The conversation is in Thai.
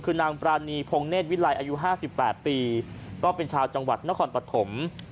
คือนางปรานีพงเนธวิลัยอายุ๕๘ปีก็เป็นชาวจังหวัดนครปฐม